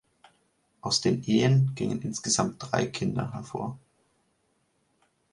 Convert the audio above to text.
Aus den Ehen gingen insgesamt drei Kinder hervor.